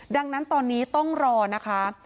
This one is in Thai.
ดังนั้นตอนนี้ต้องรอนะคะ